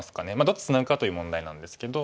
どっちツナぐかという問題なんですけど。